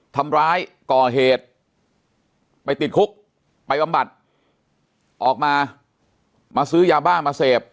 ก่อเหตุไปติดคุกไปบำบัดออกมามาซื้อยาบ้ามาเสพ